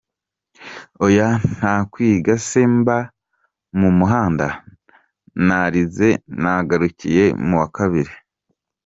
Oya nta kwiga se mba mu muhanda? Narize nagarukiye mu wa kabiri.